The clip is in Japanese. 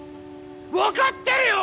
分かってるよ！